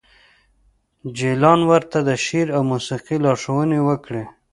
جلان ورته د شعر او موسیقۍ لارښوونې وکړې